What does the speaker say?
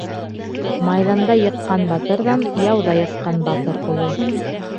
Майҙанда йыҡҡан батырҙан яуҙа йыҡҡан батыр оло.